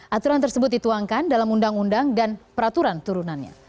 aturan tersebut dituangkan dalam undang undang dan peraturan turunannya